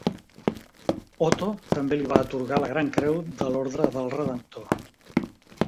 Otto també li va atorgar la Grand Creu de l'Ordre del Redemptor.